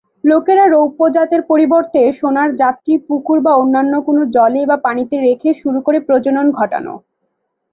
লোকেরা রৌপ্য জাতের পরিবর্তে সোনার জাতটি পুকুর বা অন্যান্য কোন জলে বা পানিতে রেখে শুরু করে প্রজনন ঘটানো।